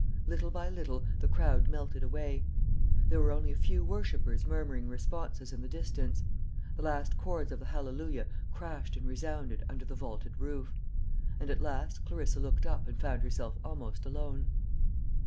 Little by little the crowd melted away; there were only a few worshippers murmuring responses in the distance; the last chords of the Hallelujah crashed and resounded under the vaulted roof; and at last Clarissa looked up and found herself almost alone.